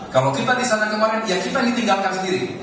kalau kita di sana kemarin ya kita ditinggalkan sendiri